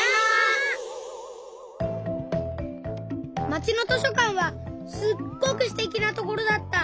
まちの図書かんはすっごくすてきなところだった。